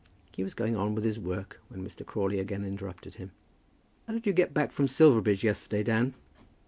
He was going on with his work when Mr. Crawley again interrupted him. "How did you get back from Silverbridge yesterday, Dan?"